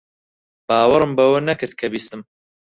باوەڕم بەوە نەکرد کە بیستم.